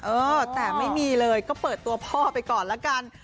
เออแต่ไม่มีเลยก็เปิดตัวพ่อไปก่อนละกัน